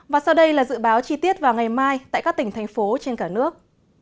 và sau đây là dự báo chi tiết vào ngày mai tại các tỉnh thành phố trên cả nước